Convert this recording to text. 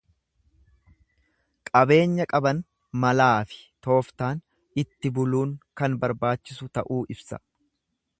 Qabeenya qaban malaafi tooftaan itti buluun kan barbaachisu ta'uu ibsa.